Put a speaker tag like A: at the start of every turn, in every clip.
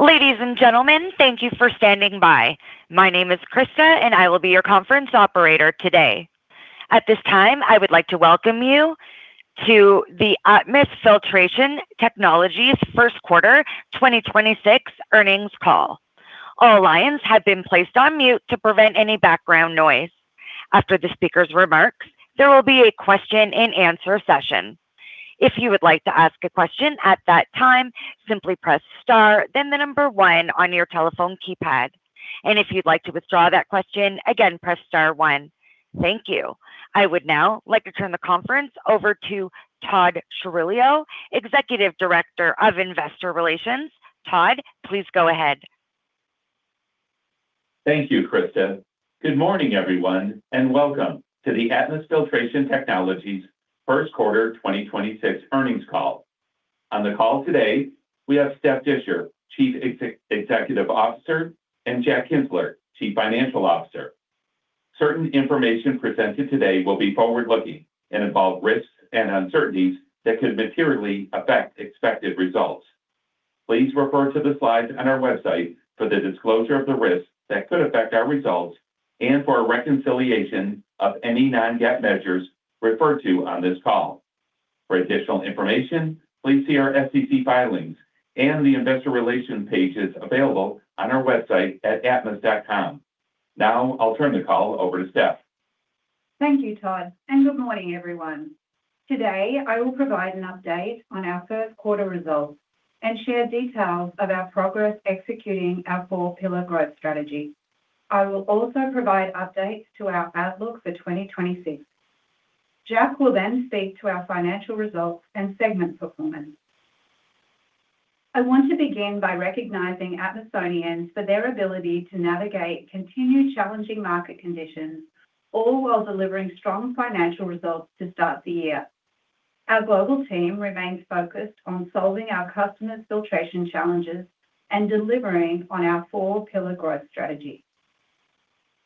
A: Ladies and gentlemen, thank you for standing by. My name is Krista and I will be your conference operator today. At this time, I would like to welcome you to the Atmus Filtration Technologies First Quarter 2026 Earnings Call. All lines have been placed on mute to prevent any background noise. After the speaker's remarks, there will be a question and answer session. If you would like to ask a question at that time, simply press star then the number one on your telephone keypad. If you'd like to withdraw that question, again, press star one. Thank you. I would now like to turn the conference over to Todd Chirillo, Executive Director of Investor Relations. Todd, please go ahead.
B: Thank you, Krista. Good morning, everyone, and welcome to the Atmus Filtration Technologies First Quarter 2026 Earnings Call. On the call today, we have Steph Disher, Chief Executive Officer, and Jack Kienzler, Chief Financial Officer. Certain information presented today will be forward-looking and involve risks and uncertainties that could materially affect expected results. Please refer to the slides on our website for the disclosure of the risks that could affect our results and for a reconciliation of any non-GAAP measures referred to on this call. For additional information, please see our SEC filings and the Investor Relations pages available on our website at atmus.com. Now I'll turn the call over to Steph.
C: Thank you, Todd, and good morning, everyone. Today, I will provide an update on our first quarter results and share details of our progress executing our four pillar growth strategy. I will also provide updates to our outlook for 2026. Jack will speak to our financial results and segment performance. I want to begin by recognizing Atmusians for their ability to navigate continued challenging market conditions, all while delivering strong financial results to start the year. Our global team remains focused on solving our customers' filtration challenges and delivering on our four pillar growth strategy.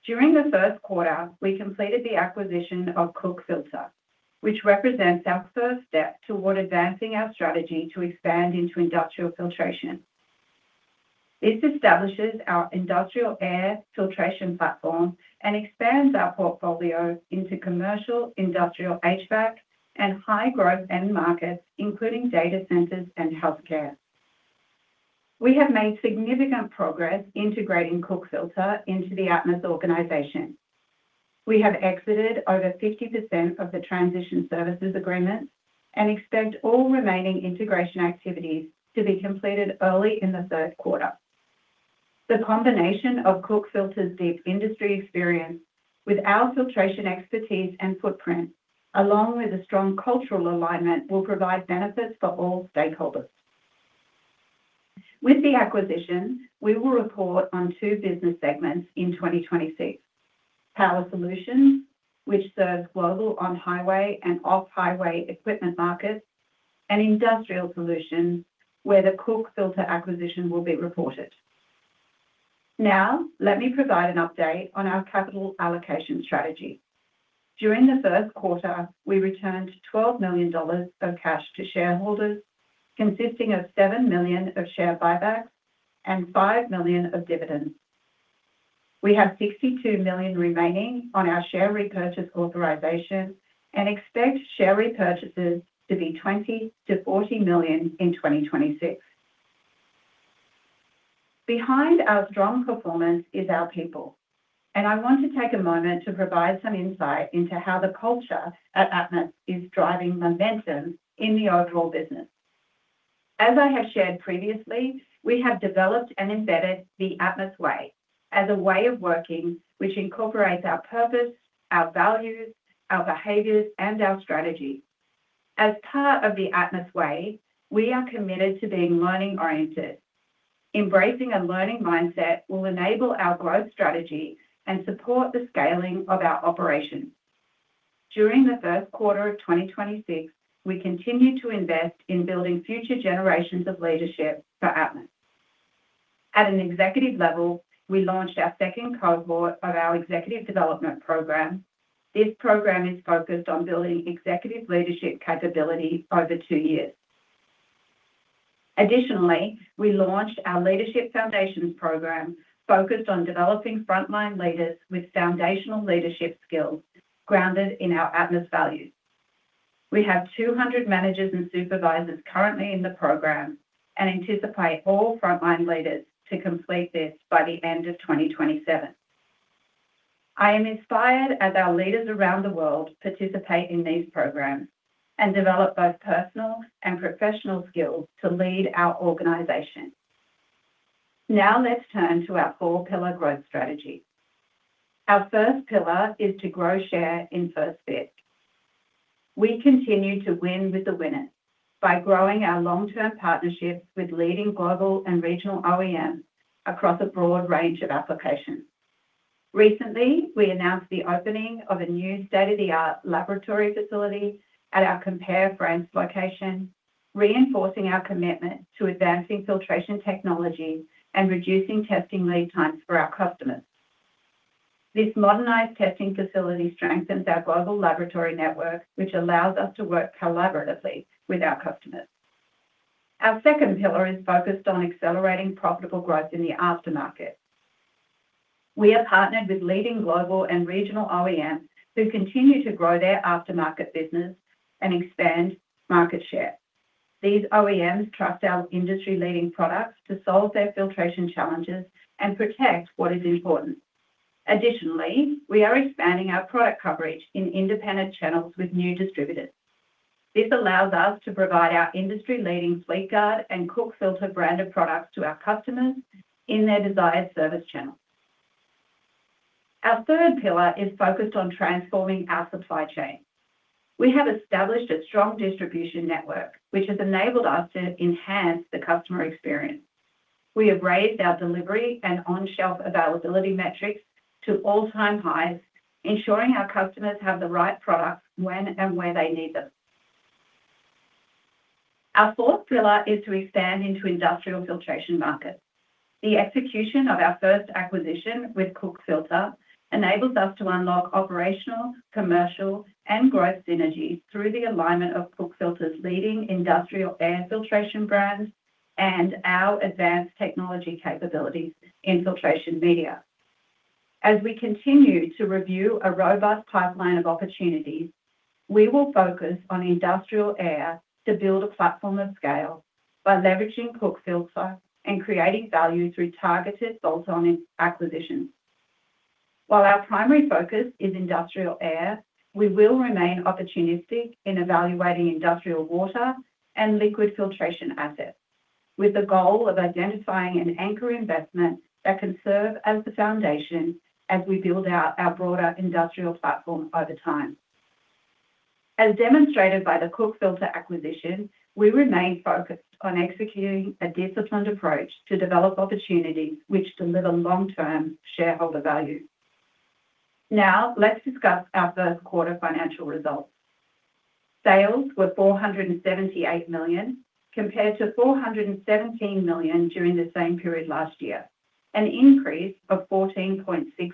C: During the first quarter, we completed the acquisition of Koch Filter, which represents our first step toward advancing our strategy to expand into industrial filtration. This establishes our industrial air filtration platform and expands our portfolio into commercial industrial HVAC and high-growth end markets, including data centers and healthcare. We have made significant progress integrating Koch Filter into the Atmus organization. We have exited over 50% of the Transition Service Agreements and expect all remaining integration activities to be completed early in the third quarter. The combination of Koch Filter's deep industry experience with our filtration expertise and footprint, along with a strong cultural alignment, will provide benefits for all stakeholders. With the acquisition, we will report on two business segments in 2026. Power Solutions, which serves global on-highway and off-highway equipment markets, and Industrial Solutions, where the Koch Filter acquisition will be reported. Now, let me provide an update on our capital allocation strategy. During the first quarter, we returned $12 million of cash to shareholders, consisting of $7 million of share buybacks and $5 million of dividends. We have $62 million remaining on our share repurchase authorization and expect share repurchases to be $20 million-$40 million in 2026. Behind our strong performance is our people, and I want to take a moment to provide some insight into how the culture at Atmus is driving momentum in the overall business. As I have shared previously, we have developed and embedded the Atmus Way as a way of working which incorporates our purpose, our values, our behaviors, and our strategy. As part of the Atmus Way, we are committed to being learning-oriented. Embracing a learning mindset will enable our growth strategy and support the scaling of our operations. During the first quarter of 2026, we continued to invest in building future generations of leadership for Atmus. At an executive level, we launched our second cohort of our executive development program. This program is focused on building executive leadership capability over two years. Additionally, we launched our Leadership Foundation program focused on developing frontline leaders with foundational leadership skills grounded in our Atmus values. We have 200 managers and supervisors currently in the program and anticipate all frontline leaders to complete this by the end of 2027. I am inspired as our leaders around the world participate in these programs and develop both personal and professional skills to lead our organization. Now let's turn to our four pillar growth strategy. Our first pillar is to grow share in first fit. We continue to win with the winners by growing our long-term partnerships with leading global and regional OEMs across a broad range of applications. Recently, we announced the opening of a new state-of-the-art laboratory facility at our Quimper, France location, reinforcing our commitment to advancing filtration technology and reducing testing lead times for our customers. This modernized testing facility strengthens our global laboratory network, which allows us to work collaboratively with our customers. Our second pillar is focused on accelerating profitable growth in the aftermarket. We are partnered with leading global and regional OEMs who continue to grow their aftermarket business and expand market share. These OEMs trust our industry-leading products to solve their filtration challenges and protect what is important. Additionally, we are expanding our product coverage in independent channels with new distributors. This allows us to provide our industry-leading Fleetguard and Koch Filter branded products to our customers in their desired service channels. Our third pillar is focused on transforming our supply chain. We have established a strong distribution network, which has enabled us to enhance the customer experience. We have raised our delivery and on-shelf availability metrics to all-time highs, ensuring our customers have the right products when and where they need them. Our fourth pillar is to expand into industrial filtration markets. The execution of our first acquisition with Koch Filter enables us to unlock operational, commercial, and growth synergies through the alignment of Koch Filter's leading industrial air filtration brands and our advanced technology capabilities in filtration media. As we continue to review a robust pipeline of opportunities, we will focus on industrial air to build a platform of scale by leveraging Koch Filter and creating value through targeted bolt-on acquisitions. While our primary focus is industrial air, we will remain opportunistic in evaluating industrial water and liquid filtration assets with the goal of identifying an anchor investment that can serve as the foundation as we build out our broader industrial platform over time. As demonstrated by the Koch Filter acquisition, we remain focused on executing a disciplined approach to develop opportunities which deliver long-term shareholder value. Let's discuss our first quarter financial results. Sales were $478 million, compared to $417 million during the same period last year, an increase of 14.6%,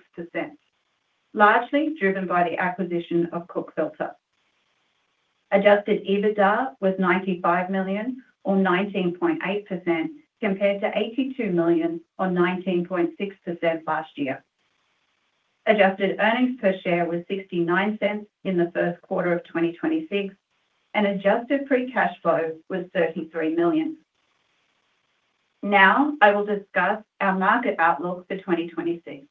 C: largely driven by the acquisition of Koch Filter. Adjusted EBITDA was $95 million or 19.8% compared to $82 million on 19.6% last year. Adjusted earnings per share was $0.69 in the first quarter of 2026, and adjusted free cash flow was $33 million. Now, I will discuss our market outlook for 2026.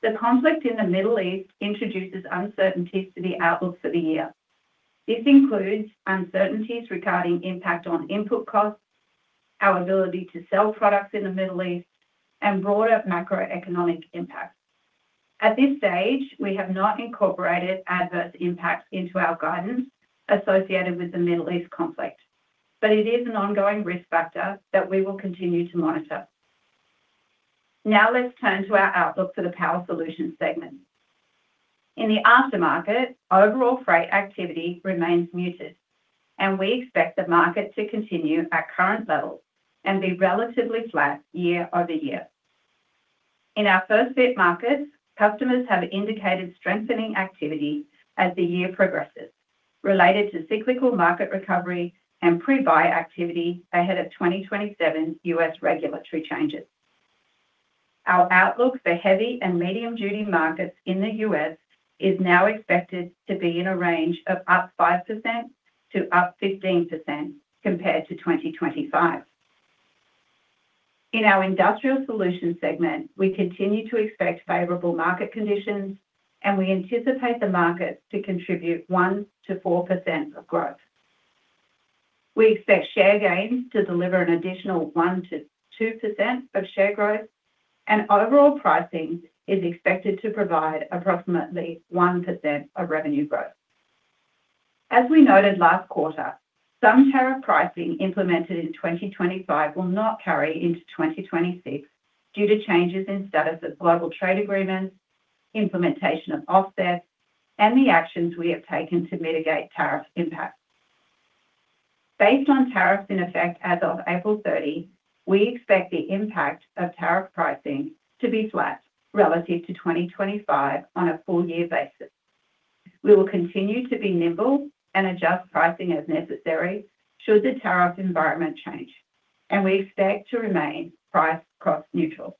C: The conflict in the Middle East introduces uncertainties to the outlook for the year. This includes uncertainties regarding impact on input costs, our ability to sell products in the Middle East, and broader macroeconomic impact. At this stage, we have not incorporated adverse impacts into our guidance associated with the Middle East conflict, but it is an ongoing risk factor that we will continue to monitor. Now, let's turn to our outlook for the Power Solutions segment. In the aftermarket, overall freight activity remains muted, and we expect the market to continue at current levels and be relatively flat year-over-year. In our first fit markets, customers have indicated strengthening activity as the year progresses related to cyclical market recovery and pre-buy activity ahead of 2027 U.S. regulatory changes. Our outlook for heavy and medium-duty markets in the U.S. is now expected to be in a range of up 5% to up 15% compared to 2025. In our Industrial Solutions segment, we continue to expect favorable market conditions, and we anticipate the market to contribute 1%-4% of growth. We expect share gains to deliver an additional 1%-2% of share growth, and overall pricing is expected to provide approximately 1% of revenue growth. As we noted last quarter, some tariff pricing implemented in 2025 will not carry into 2026 due to changes in status of global trade agreements, implementation of offsets, and the actions we have taken to mitigate tariff impacts. Based on tariffs in effect as of April 30, we expect the impact of tariff pricing to be flat relative to 2025 on a full year basis. We will continue to be nimble and adjust pricing as necessary should the tariff environment change, and we expect to remain price cross-neutral.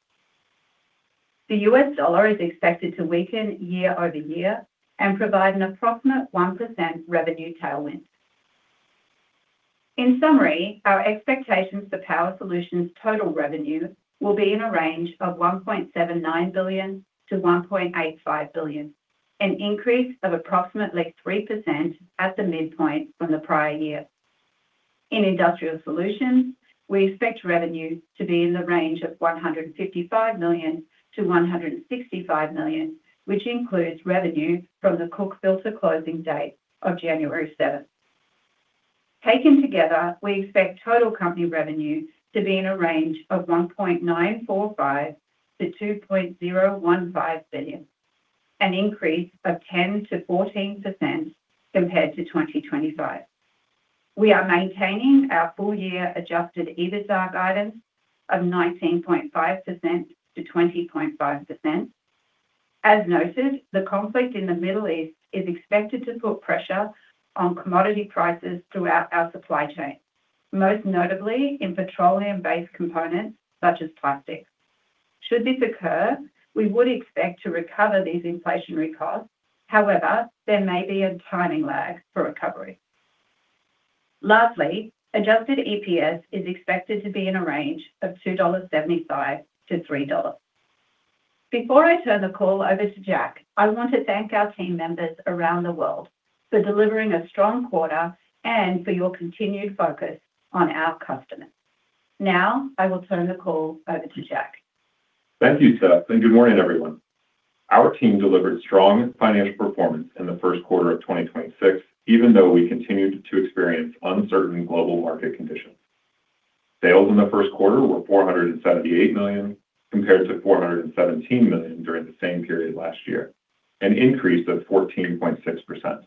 C: The U.S. dollar is expected to weaken year-over-year and provide an approximate 1% revenue tailwind. In summary, our expectations for Power Solutions total revenue will be in a range of $1.79 billion-$1.85 billion, an increase of approximately 3% at the midpoint from the prior year. In Industrial Solutions, we expect revenue to be in the range of $155 million-$165 million, which includes revenue from the Koch Filter closing date of January 7. Taken together, we expect total company revenue to be in a range of $1.945 billion-$2.015 billion, an increase of 10%-14% compared to 2025. We are maintaining our full year adjusted EBITDA guidance of 19.5%-20.5%. As noted, the conflict in the Middle East is expected to put pressure on commodity prices throughout our supply chain, most notably in petroleum-based components such as plastics. Should this occur, we would expect to recover these inflationary costs. However, there may be a timing lag for recovery. Lastly, adjusted EPS is expected to be in a range of $2.75-$3.00. Before I turn the call over to Jack, I want to thank our team members around the world for delivering a strong quarter and for your continued focus on our customers. Now I will turn the call over to Jack.
D: Thank you, Steph, and good morning, everyone. Our team delivered strong financial performance in the first quarter of 2026, even though we continued to experience uncertain global market conditions. Sales in the first quarter were $478 million, compared to $417 million during the same period last year, an increase of 14.6%.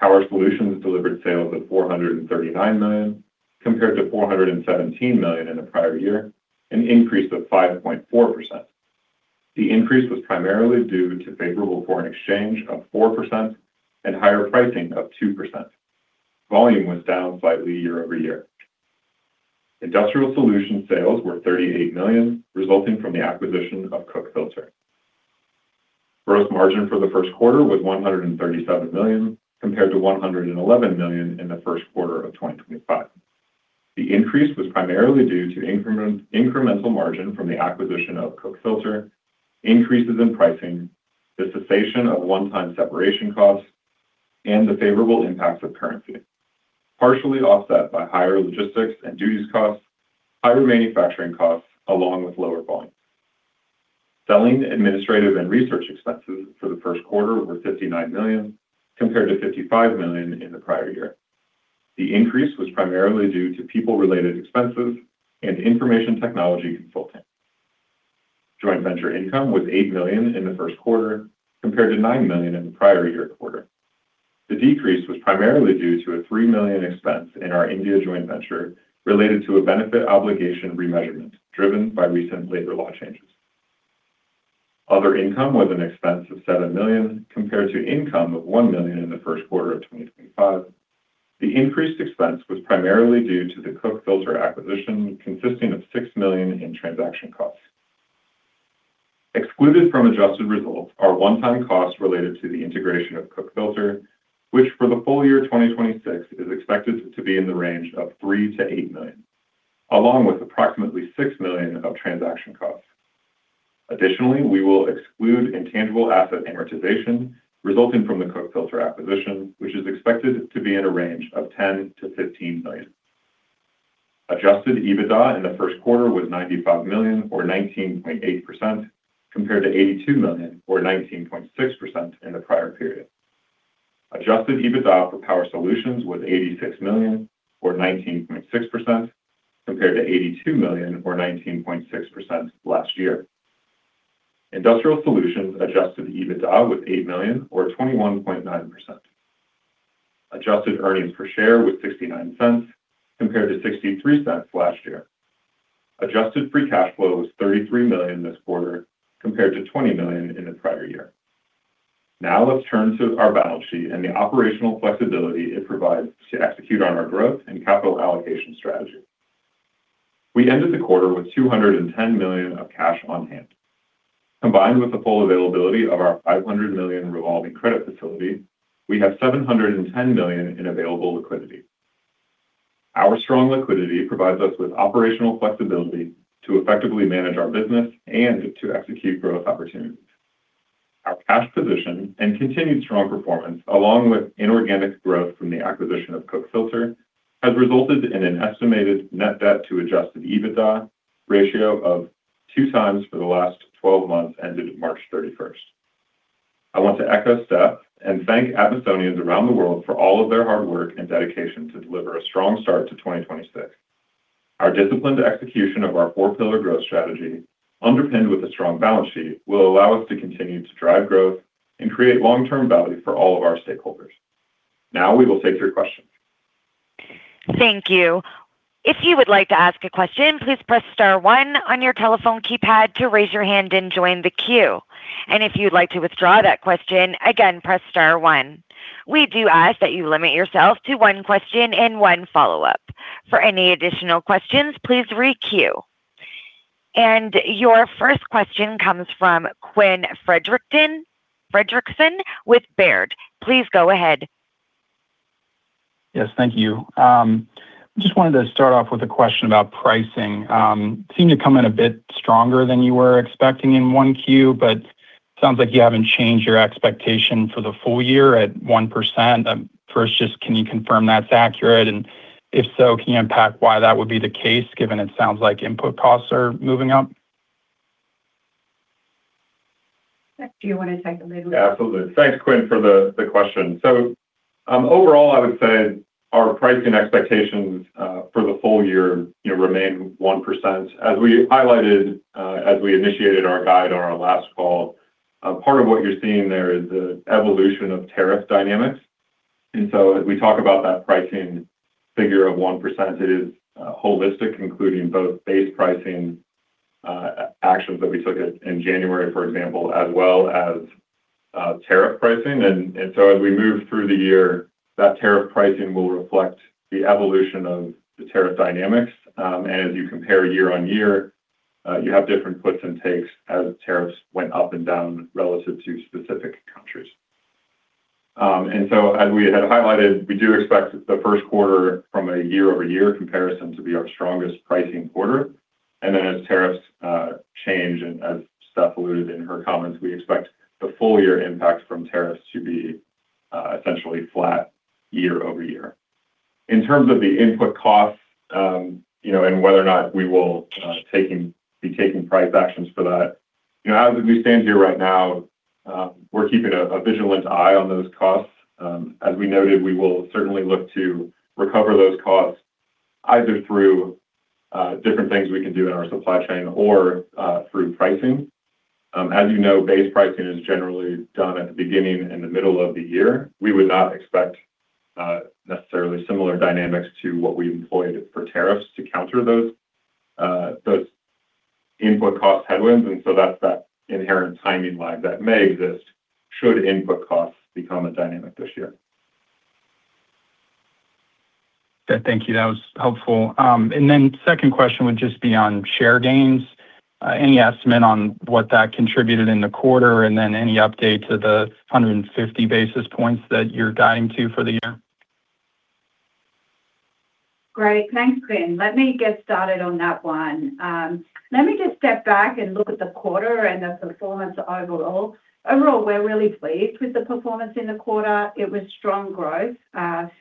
D: Power Solutions delivered sales of $439 million, compared to $417 million in the prior year, an increase of 5.4%. The increase was primarily due to favorable foreign exchange of 4% and higher pricing of 2%. Volume was down slightly year-over-year. Industrial Solutions sales were $38 million, resulting from the acquisition of Koch Filter. Gross margin for the first quarter was $137 million, compared to $111 million in the first quarter of 2025. The increase was primarily due to incremental margin from the acquisition of Koch Filter, increases in pricing, the cessation of one-time separation costs, and the favorable impacts of currency, partially offset by higher logistics and duties costs, higher manufacturing costs, along with lower volumes. Selling, administrative, and research expenses for the first quarter were $59 million, compared to $55 million in the prior year. The increase was primarily due to people-related expenses and information technology consulting. Joint venture income was $8 million in the first quarter, compared to $9 million in the prior year quarter. The decrease was primarily due to a $3 million expense in our India joint venture related to a benefit obligation remeasurement, driven by recent labor law changes. Other income was an expense of $7 million, compared to income of $1 million in the first quarter of 2025. The increased expense was primarily due to the Koch Filter acquisition, consisting of $6 million in transaction costs. Excluded from adjusted results are one-time costs related to the integration of Koch Filter, which for the full year 2026 is expected to be in the range of $3 million-$8 million, along with approximately $6 million of transaction costs. Additionally, we will exclude intangible asset amortization resulting from the Koch Filter acquisition, which is expected to be in a range of $10 million-$15 million. Adjusted EBITDA in the first quarter was $95 million, or 19.8%, compared to $82 million or 19.6% in the prior period. Adjusted EBITDA for Power Solutions was $86 million or 19.6%, compared to $82 million or 19.6% last year. Industrial Solutions adjusted EBITDA was $8 million or 21.9%. Adjusted earnings per share was $0.69 compared to $0.63 last year. Adjusted free cash flow was $33 million this quarter compared to $20 million in the prior year. Let's turn to our balance sheet and the operational flexibility it provides to execute on our growth and capital allocation strategy. We ended the quarter with $210 million of cash on hand. Combined with the full availability of our $500 million revolving credit facility, we have $710 million in available liquidity. Our strong liquidity provides us with operational flexibility to effectively manage our business and to execute growth opportunities. Our cash position and continued strong performance, along with inorganic growth from the acquisition of Koch Filter, has resulted in an estimated net debt to adjusted EBITDA ratio of 2x for the last 12 months ended March 31st. I want to echo Steph and thank Atmusians around the world for all of their hard work and dedication to deliver a strong start to 2026. Our disciplined execution of our four-pillar growth strategy, underpinned with a strong balance sheet, will allow us to continue to drive growth and create long-term value for all of our stakeholders. Now we will take your questions.
A: Thank you. If you would like to ask a question, please press star one on your telephone keypad to raise your hand and join the queue. If you'd like to withdraw that question, again, press star one. We do ask that you limit yourself to one question and one follow-up. For any additional questions, please re-queue. Your first question comes from Quinn Fredrickson with Baird. Please go ahead.
E: Yes, thank you. Just wanted to start off with a question about pricing. Seemed to come in a bit stronger than you were expecting in 1Q. Sounds like you haven't changed your expectation for the full year at 1%. First, just can you confirm that's accurate? If so, can you unpack why that would be the case given it sounds like input costs are moving up?
C: Jack, do you wanna take the lead with that?
D: Absolutely. Thanks, Quinn, for the question. Overall, I would say our pricing expectations for the full year, you know, remain 1%. As we highlighted, as we initiated our guide on our last call, a part of what you're seeing there is the evolution of tariff dynamics. As we talk about that pricing figure of 1%, it is holistic, including both base pricing actions that we took in January, for example, as well as tariff pricing. As we move through the year, that tariff pricing will reflect the evolution of the tariff dynamics. And as you compare year-on-year, you have different puts and takes as tariffs went up and down relative to specific countries. As we had highlighted, we do expect the first quarter from a year-over-year comparison to be our strongest pricing quarter. As tariffs change, and as Steph alluded in her comments, we expect the full year impact from tariffs to be essentially flat year-over-year. In terms of the input costs, you know, and whether or not we will be taking price actions for that. You know, as we stand here right now, we're keeping a vigilant eye on those costs. As we noted, we will certainly look to recover those costs either through different things we can do in our supply chain or through pricing. As you know, base pricing is generally done at the beginning and the middle of the year. We would not expect necessarily similar dynamics to what we employed for tariffs to counter those input cost headwinds. That's that inherent timing lag that may exist should input costs become a dynamic this year.
E: Thank you. That was helpful. Second question would just be on share gains. Any estimate on what that contributed in the quarter, any update to the 150 basis points that you're guiding to for the year?
C: Great. Thanks, Quinn. Let me get started on that one. Let me just step back and look at the quarter and the performance overall. Overall, we're really pleased with the performance in the quarter. It was strong growth.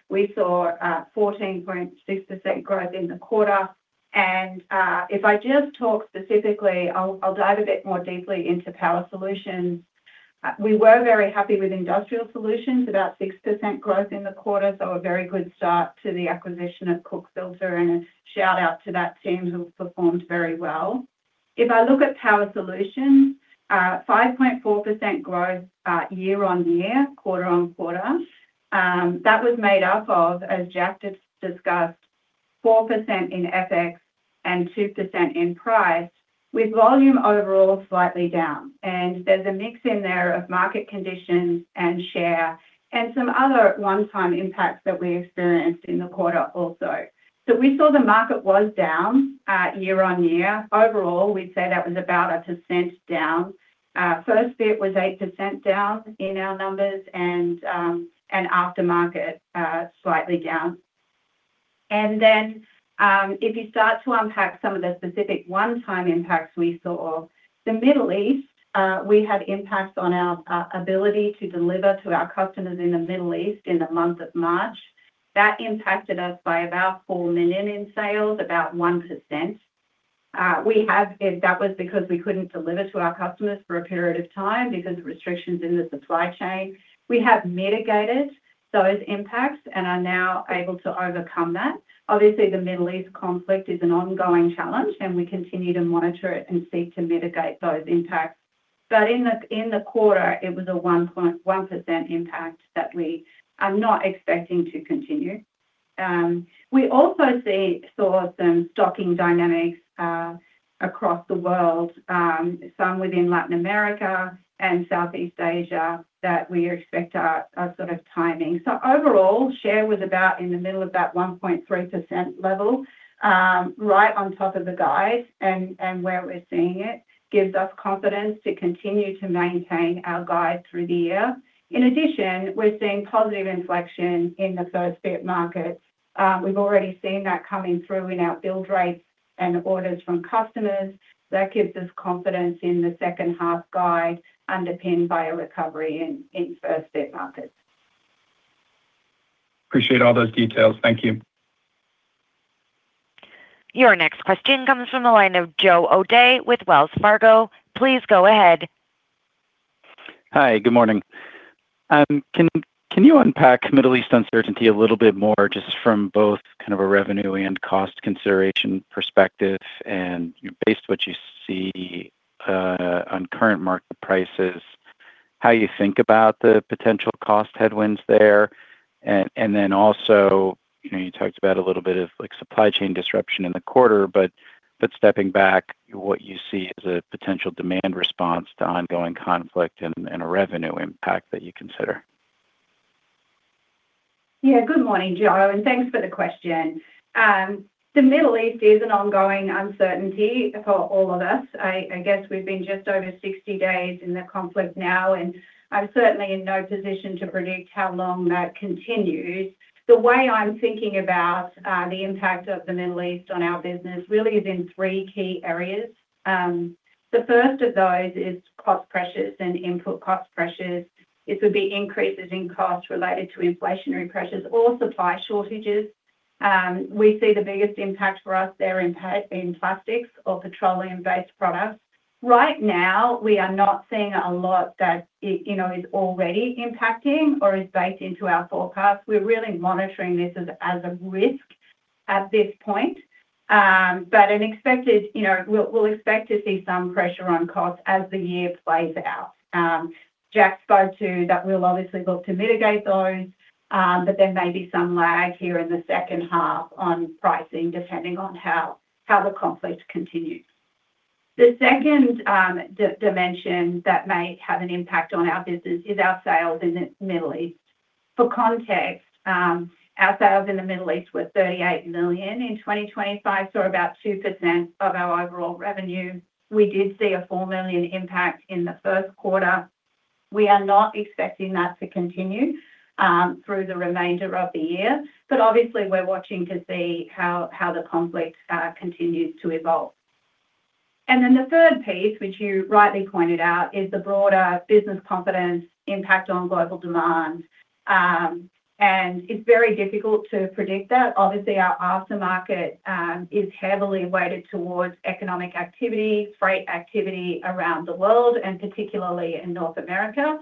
C: We saw 14.6% growth in the quarter. If I just talk specifically, I'll dive a bit more deeply into Power Solutions. We were very happy with Industrial Solutions. About 6% growth in the quarter. A very good start to the acquisition of Koch Filter and a shout-out to that team who've performed very well. If I look at Power Solutions, 5.4% growth year-on-year, quarter-on-quarter. That was made up of, as Jack just discussed, 4% in FX and 2% in price, with volume overall slightly down. There's a mix in there of market conditions and share and some other one-time impacts that we experienced in the quarter also. We saw the market was down year-over-year. Overall, we'd say that was about 1% down. First bit was 8% down in our numbers and aftermarket, slightly down. If you start to unpack some of the specific one-time impacts we saw. The Middle East, we had impacts on our ability to deliver to our customers in the Middle East in the month of March. That impacted us by about $4 million in sales, about 1%. If that was because we couldn't deliver to our customers for a period of time because of restrictions in the supply chain. We have mitigated those impacts and are now able to overcome that. Obviously, the Middle East Conflict is an ongoing challenge, and we continue to monitor it and seek to mitigate those impacts. In the quarter, it was a 1.1% impact that we are not expecting to continue. We also saw some stocking dynamics across the world, some within Latin America and Southeast Asia that we expect are sort of timing. Overall, share was about in the middle of that 1.3% level, right on top of the guide and where we're seeing it gives us confidence to continue to maintain our guide through the year. In addition, we're seeing positive inflection in the first-fit market. We've already seen that coming through in our build rates and orders from customers. That gives us confidence in the second-half guide underpinned by a recovery in aftermarket markets.
E: Appreciate all those details. Thank you.
A: Your next question comes from the line of Joe O'Dea with Wells Fargo. Please go ahead.
F: Hi. Good morning. Can you unpack Middle East uncertainty a little bit more just from both kind of a revenue and cost consideration perspective and based on what you see on current market prices, how you think about the potential cost headwinds there? Also, you know, you talked about a little bit of like supply chain disruption in the quarter, but stepping back, what you see as a potential demand response to ongoing conflict and a revenue impact that you consider?
C: Good morning, Joe, and thanks for the question. The Middle East is an ongoing uncertainty for all of us. I guess we've been just over 60 days in the conflict now, and I'm certainly in no position to predict how long that continues. The way I'm thinking about the impact of the Middle East on our business really is in three key areas. The first of those is cost pressures and input cost pressures. It would be increases in costs related to inflationary pressures or supply shortages. We see the biggest impact for us there in plastics or petroleum-based products. Right now, we are not seeing a lot that, you know, is already impacting or is baked into our forecast. We're really monitoring this as a risk. At this point, an expected, you know, we'll expect to see some pressure on costs as the year plays out. Jack spoke to that we'll obviously look to mitigate those, there may be some lag here in the second half on pricing, depending on how the conflict continues. The second dimension that may have an impact on our business is our sales in the Middle East. For context, our sales in the Middle East were $38 million in 2025, so about 2% of our overall revenue. We did see a $4 million impact in the first quarter. We are not expecting that to continue through the remainder of the year. Obviously we're watching to see how the conflict continues to evolve. Then the third piece, which you rightly pointed out, is the broader business confidence impact on global demand. It's very difficult to predict that. Obviously, our aftermarket is heavily weighted towards economic activity, freight activity around the world, and particularly in North America.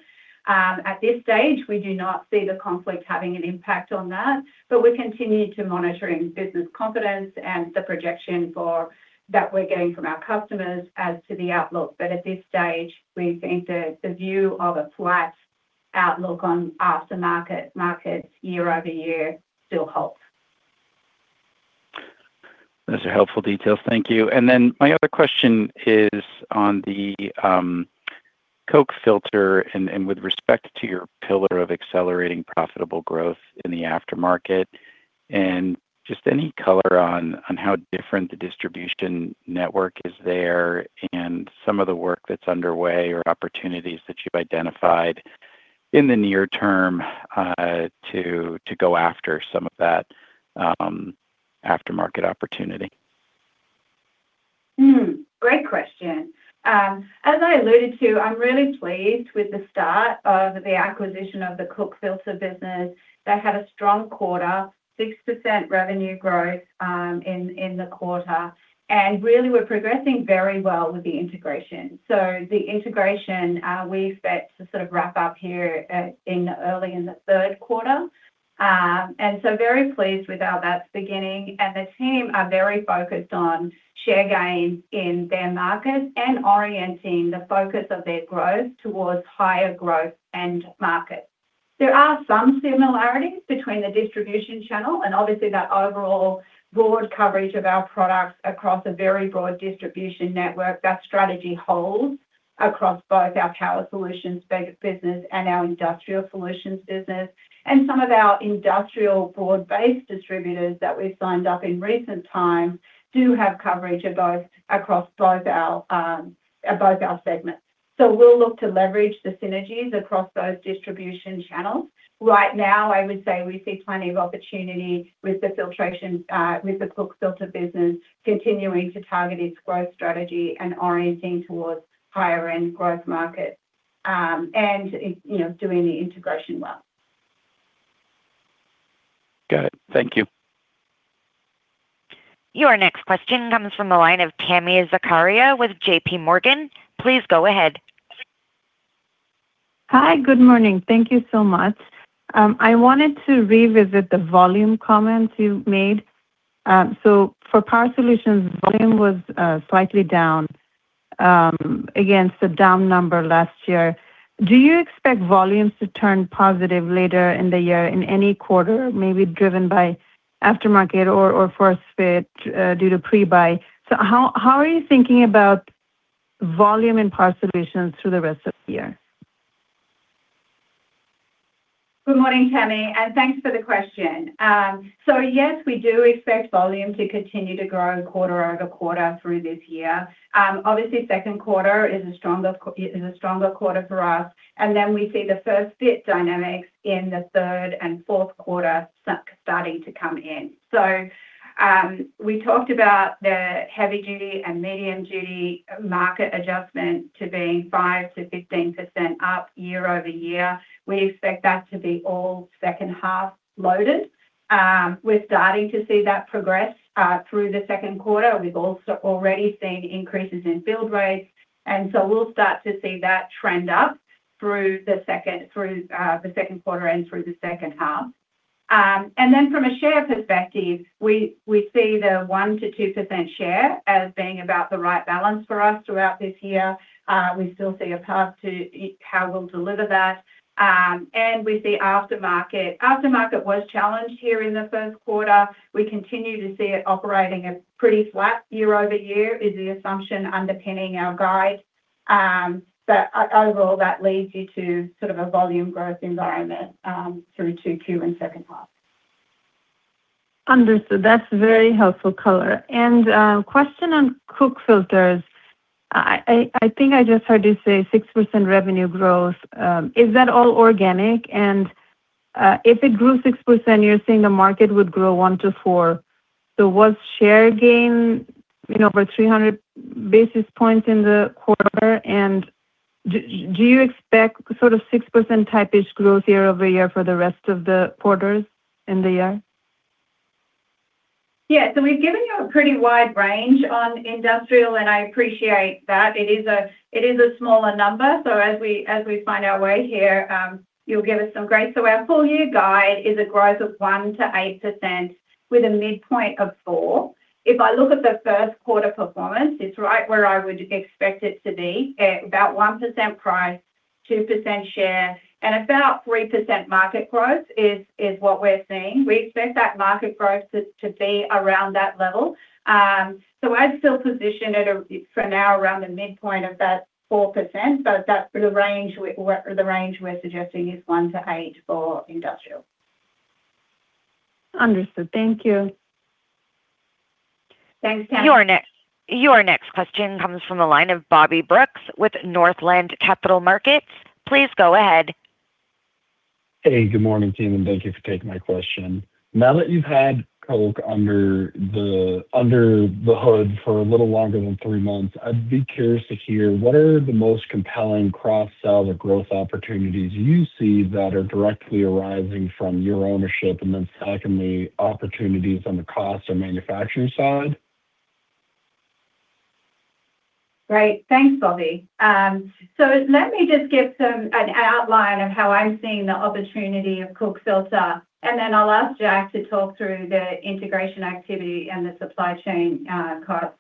C: At this stage, we do not see the conflict having an impact on that. We're continuing to monitoring business confidence and the projection that we're getting from our customers as to the outlook. At this stage, we think the view of a flat outlook on aftermarket markets year-over-year still holds.
F: Those are helpful details. Thank you. My other question is on the Koch Filter and with respect to your pillar of accelerating profitable growth in the aftermarket. Just any color on how different the distribution network is there and some of the work that's underway or opportunities that you've identified in the near term to go after some of that aftermarket opportunity.
C: Great question. As I alluded to, I'm really pleased with the start of the acquisition of the Koch Filter business. They had a strong quarter, 6% revenue growth in the quarter. Really, we're progressing very well with the integration. The integration, we expect to sort of wrap up here in early in the third quarter. Very pleased with how that's beginning. The team are very focused on share gains in their market and orienting the focus of their growth towards higher growth end markets. There are some similarities between the distribution channel and obviously that overall broad coverage of our products across a very broad distribution network. That strategy holds across both our Power Solutions business and our Industrial Solutions business. Some of our industrial broad-based distributors that we've signed up in recent times do have coverage across both our segments. We'll look to leverage the synergies across those distribution channels. Right now, I would say we see plenty of opportunity with the filtration, with the Koch Filter business continuing to target its growth strategy and orienting towards higher end growth markets, and, you know, doing the integration well.
F: Got it. Thank you.
A: Your next question comes from the line of Tami Zakaria with JPMorgan. Please go ahead.
G: Hi. Good morning. Thank you so much. I wanted to revisit the volume comments you made. For Power Solutions, volume was slightly down against the down number last year. Do you expect volumes to turn positive later in the year in any quarter, maybe driven by aftermarket or first fit due to pre-buy? How are you thinking about volume and Power Solutions through the rest of the year?
C: Good morning, Tami, and thanks for the question. Yes, we do expect volume to continue to grow quarter-over-quarter through this year. Obviously second quarter is a stronger quarter for us, and then we see the first fit dynamics in the third and fourth quarter starting to come in. We talked about the heavy duty and medium duty market adjustment to being 5%-15% up year-over-year. We expect that to be all second half loaded. We're starting to see that progress through the second quarter. We've also already seen increases in build rates, we'll start to see that trend up through the second quarter and through the second half. Then from a share perspective, we see the 1%-2% share as being about the right balance for us throughout this year. We still see a path to EBITDA we'll deliver that. We see aftermarket. Aftermarket was challenged here in the first quarter. We continue to see it operating at pretty flat year-over-year is the assumption underpinning our guide. Overall, that leads you to sort of a volume growth environment through 2Q and second half.
G: Understood. That's very helpful color. Question on Koch Filter. I think I just heard you say 6% revenue growth. Is that all organic? If it grew 6%, you're saying the market would grow 1%-4%. Was share gain, you know, over 300 basis points in the quarter? Do you expect sort of 6% type-ish growth year-over-year for the rest of the quarters in the year?
C: We've given you a pretty wide range on Industrial Solutions, and I appreciate that. It is a smaller number. As we find our way here, you'll give us some grace. Our full year guide is a growth of 1%-8% with a midpoint of 4%. If I look at the first quarter performance, it's right where I would expect it to be at about 1% price, 2% share, and about 3% market growth is what we're seeing. We expect that market growth to be around that level. I'd still position it for now around the midpoint of that 4%. That's the range the range we're suggesting is 1%-8% for Industrial Solutions.
G: Understood. Thank you.
C: Thanks, Tami.
A: Your next question comes from the line of Bobby Brooks with Northland Capital Markets. Please go ahead.
H: Hey, good morning, team, and thank you for taking my question. Now that you've had Koch Filter under the hood for a little longer than three months, I'd be curious to hear what are the most compelling cross-sell or growth opportunities you see that are directly arising from your ownership? Secondly, opportunities on the cost or manufacturing side.
C: Great. Thanks, Bobby. Let me just give an outline of how I'm seeing the opportunity of Koch Filter, and then I'll ask Jack to talk through the integration activity and the supply chain costs.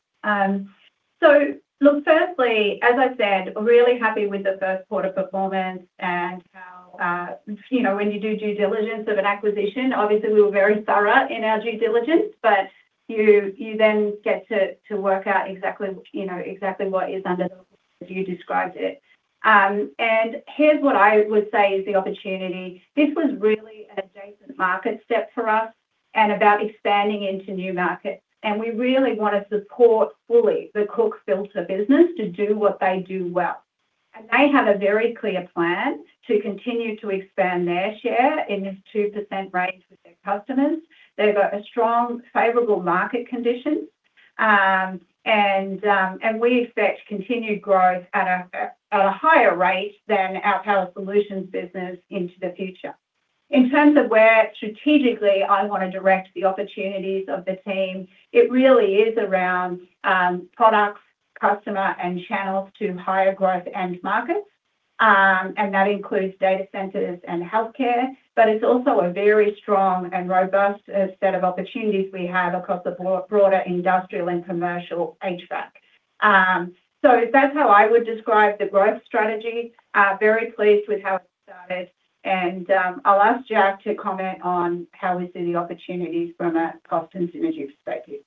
C: Look, firstly, as I said, really happy with the first quarter performance and how, you know, when you do due diligence of an acquisition, obviously we were very thorough in our due diligence. You then get to work out exactly, you know, exactly what is under the hood, as you described it. Here's what I would say is the opportunity. This was really an adjacent market step for us and about expanding into new markets. We really want to support fully the Koch Filter business to do what they do well. They have a very clear plan to continue to expand their share in this 2% range with their customers. They've got a strong favorable market condition. We expect continued growth at a higher rate than our Power Solutions business into the future. In terms of where strategically I want to direct the opportunities of the team, it really is around products, customer, and channels to higher growth end markets. That includes data centers and healthcare, but it's also a very strong and robust set of opportunities we have across the broader industrial and commercial HVAC. That's how I would describe the growth strategy. Very pleased with how it started. I'll ask Jack to comment on how we see the opportunities from a cost and synergy perspective.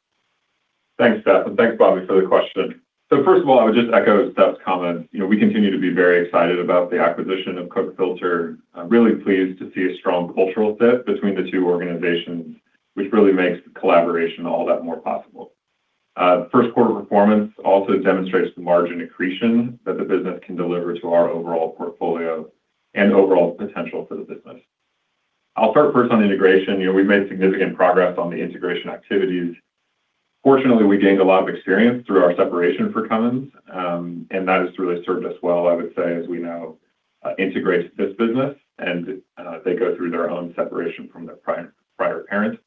D: Thanks, Steph. Thanks, Bobby, for the question. First of all, I would just echo Steph's comment. We continue to be very excited about the acquisition of Koch Filter. I'm really pleased to see a strong cultural fit between the two organizations, which really makes the collaboration all that more possible. First quarter performance also demonstrates the margin accretion that the business can deliver to our overall portfolio and overall potential for the business. I'll start first on integration. We've made significant progress on the integration activities. Fortunately, we gained a lot of experience through our separation for Cummins, and that has really served us well, I would say, as we now integrate this business and they go through their own separation from their prior parent.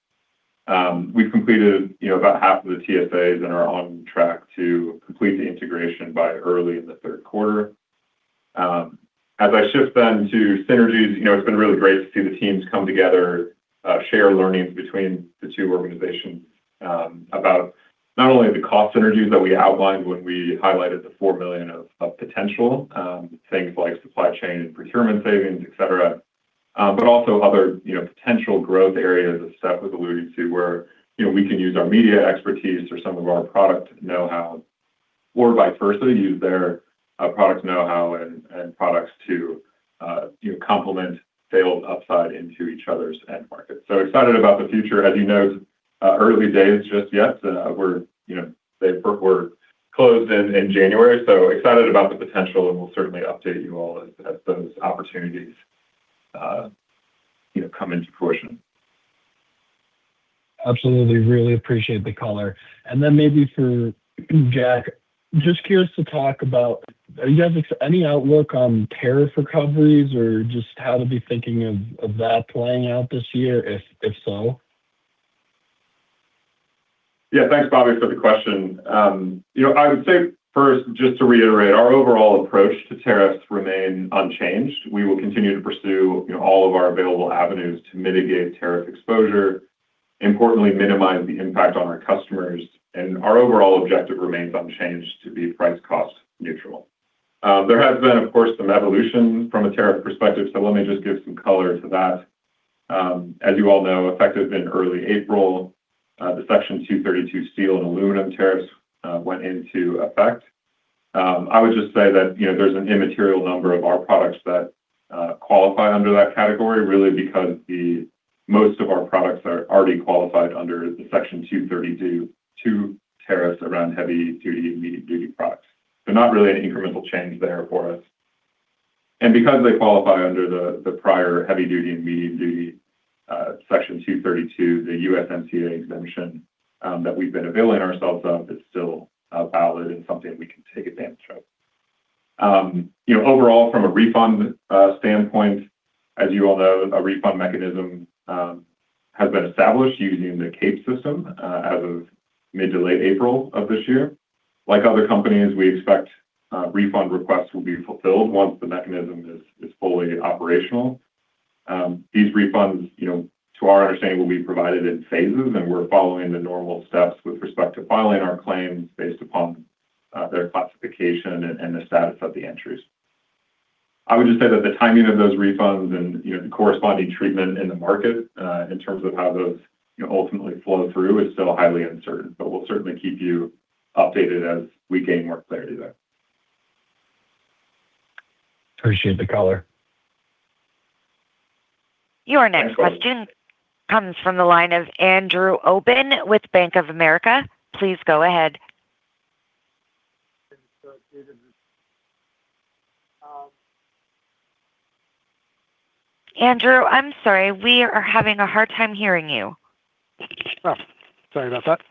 D: We've completed, you know, about half of the TSAs and are on track to complete the integration by early in the third quarter. As I shift then to synergies, you know, it's been really great to see the teams come together, share learnings between the two organizations, about not only the cost synergies that we outlined when we highlighted the $4 million of potential things like supply chain and procurement savings, etc. But also other, you know, potential growth areas as Steph has alluded to, where, you know, we can use our media expertise or some of our product know-how, or vice versa, use their product know-how and products to, you know, complement sales upside into each other's end markets. Excited about the future. As you know, early days just yet. We're, you know, they were closed in January, so excited about the potential and we'll certainly update you all as those opportunities, you know, come into fruition.
H: Absolutely. Really appreciate the color. Maybe for Jack, just curious to talk about, are you guys any outlook on tariff recoveries or just how to be thinking of that playing out this year if so?
D: Yeah. Thanks, Bobby, for the question. You know, I would say first, just to reiterate, our overall approach to tariffs remain unchanged. We will continue to pursue, you know, all of our available avenues to mitigate tariff exposure, importantly, minimize the impact on our customers, and our overall objective remains unchanged to be price cost neutral. There has been, of course, some evolution from a tariff perspective, let me just give some color to that. As you all know, effective in early April, the Section 232 steel and aluminum tariffs went into effect. I would just say that, you know, there's an immaterial number of our products that qualify under that category, really because most of our products are already qualified under the Section 232 tariffs around heavy duty and medium duty products. Not really an incremental change there for us. Because they qualify under the prior heavy duty and medium duty Section 232, the USMCA exemption that we've been availing ourselves of is still valid and something we can take advantage of. You know, overall from a refund standpoint, as you all know, a refund mechanism has been established using the CAPE system as of mid to late April of this year. Like other companies, we expect refund requests will be fulfilled once the mechanism is fully operational. These refunds, you know, to our understanding, will be provided in phases, and we're following the normal steps with respect to filing our claims based upon their classification and the status of the entries. I would just say that the timing of those refunds and, you know, the corresponding treatment in the market, in terms of how those, you know, ultimately flow through is still highly uncertain. We'll certainly keep you updated as we gain more clarity there.
H: Appreciate the color.
A: Your next question comes from the line of Andrew Obin with Bank of America. Please go ahead. Andrew, I'm sorry, we are having a hard time hearing you.
I: Oh, sorry about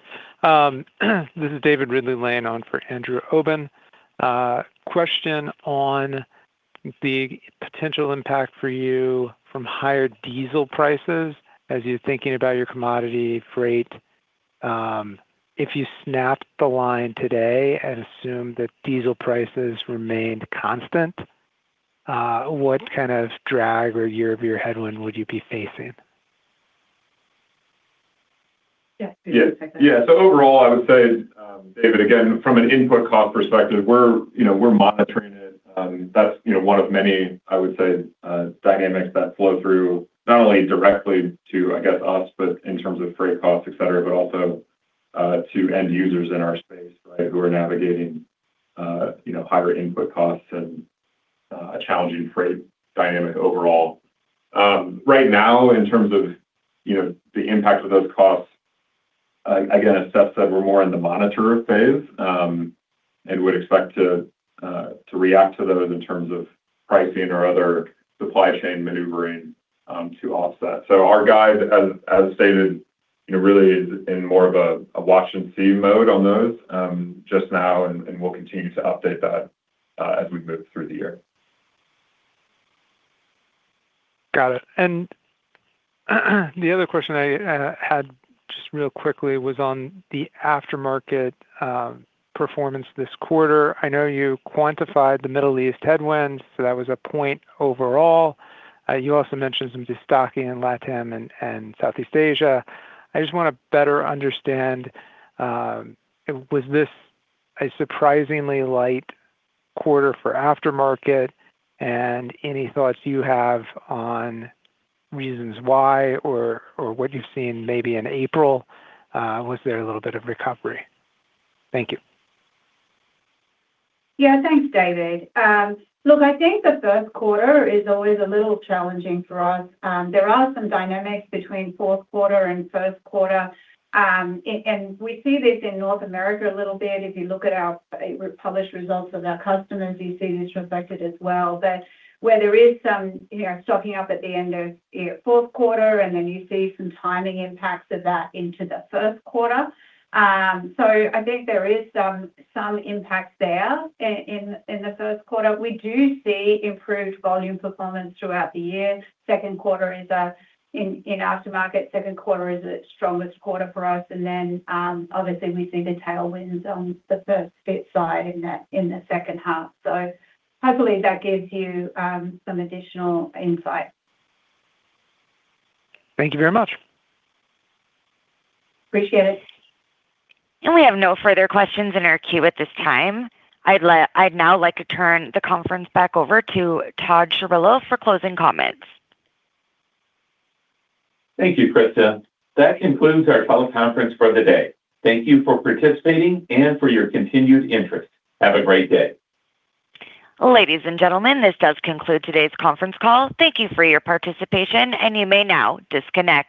I: that. This is David Ridley-Lane laying on for Andrew Obin. Question on the potential impact for you from higher diesel prices as you're thinking about your commodity freight. If you snapped the line today and assumed that diesel prices remained constant, what kind of drag or year-over-year headwind would you be facing?
C: Yes.
D: Yeah. Yeah. Overall, I would say, David, again, from an input cost perspective, we're monitoring it. That's one of many, I would say, dynamics that flow through not only directly to, I guess, us, but in terms of freight costs, et cetera, but also to end users in our space, right? Who are navigating higher input costs and a challenging freight dynamic overall. Right now, in terms of the impact of those costs, again, as Steph said, we're more in the monitor phase and would expect to react to those in terms of pricing or other supply chain maneuvering to offset. Our guide, as stated, you know, really is in more of a watch-and-see mode on those, just now, and we'll continue to update that, as we move through the year.
I: Got it. The other question I had, just real quickly, was on the aftermarket performance this quarter. I know you quantified the Middle East headwind, so that was a point overall. You also mentioned some destocking in LatAm and Southeast Asia. I just wanna better understand, was this a surprisingly light quarter for aftermarket? Any thoughts you have on reasons why or what you've seen maybe in April? Was there a little bit of recovery? Thank you.
C: Yeah. Thanks, David. Look, I think the third quarter is always a little challenging for us. There are some dynamics between fourth quarter and first quarter, and we see this in North America a little bit. If you look at our published results of our customers, you see this reflected as well. Where there is some, you know, stocking up at the end of fourth quarter, and then you see some timing impacts of that into the first quarter. I think there is some impact there in the first quarter. We do see improved volume performance throughout the year. Second quarter is in aftermarket, second quarter is the strongest quarter for us. Then, obviously we see the tailwinds on the first fit side in the second half. Hopefully that gives you some additional insight.
I: Thank you very much.
C: Appreciate it.
A: We have no further questions in our queue at this time. I'd now like to turn the conference back over to Todd Chirillo for closing comments.
B: Thank you, Krista. That concludes our phone conference for the day. Thank you for participating and for your continued interest. Have a great day.
A: Ladies and gentlemen, this does conclude today's conference call. Thank you for your participation, and you may now disconnect.